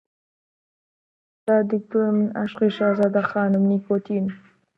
دەسا دکتۆر من عاشقی شازادە خانم نیکۆتینم